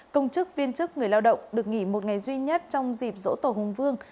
công chức viên chức người lao động được nghỉ một ngày duy nhất trong dịp dỗ tổ hùng vương